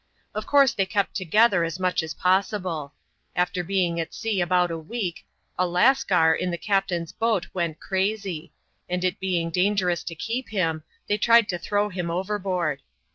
Of course they kept together as much as possible. After being at sea about a week, a Lascar in the captain's boat went crazy ; and it being dangerous to keep him, they tried to throw him over board.